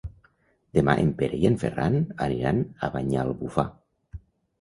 Demà en Pere i en Ferran aniran a Banyalbufar.